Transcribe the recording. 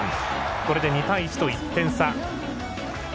これで２対１と１点差。